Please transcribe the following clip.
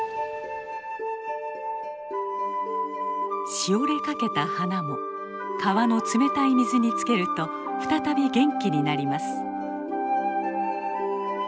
しおれかけた花も川の冷たい水につけると再び元気になります。